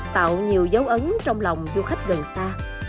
tạo nhiều dấu ấn trong lòng du khách gần xa